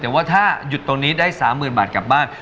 แต่ว่าถ้าหยุดตรงนี้ได้๓๐๐๐บาทกลับบ้าน